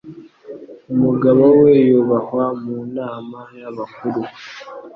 Umugabo we yubahwa mu nama y’abakuru